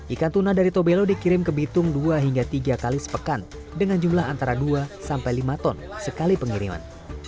ikan tuna dari tobelo dikirim ke bitung dua hingga tiga kali sepekan dengan jumlah antara dua sampai lima ton sekali pengiriman